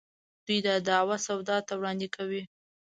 دوی دا دعوه سودا ته وړاندې کوي.